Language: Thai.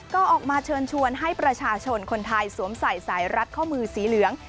ก็ออกมาเชิญชวนให้ประชาชนคนไทยสวมใส่สายรัดข้อมือสีเหลือง